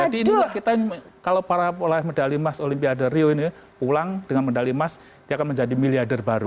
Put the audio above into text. jadi ini kita kalau para oleh medali emas olimpiade rio ini pulang dengan medali emas dia akan menjadi miliader baru